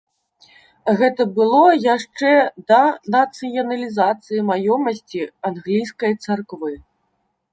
Гэта было яшчэ да нацыяналізацыі маёмасці англійскай царквы.